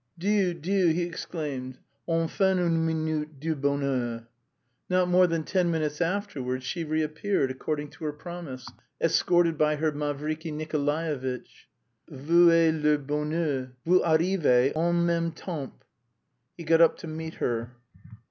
"Dieu, Dieu." he exclaimed, "enfin une minute de bonheur!" Not more than ten minutes afterwards she reappeared according to her promise, escorted by her Mavriky Nikolaevitch. "Vous et le bonheur, vous arrivez en même temps!" He got up to meet her.